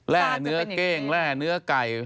แร่เนื้อเก้งแร่เนื้อไก่